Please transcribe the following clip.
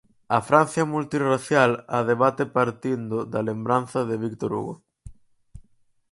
A Francia multirracial a debate partindo da lembranza de Víctor Hugo.